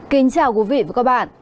kính chào quý vị và các bạn